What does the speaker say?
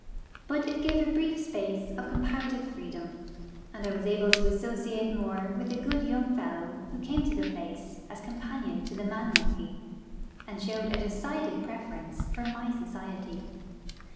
But it gave a brief space of comparative freedom; and I was able to associate more with a good young fellow who came to the place as companion to the man monkey, and showed a decided preference for my society.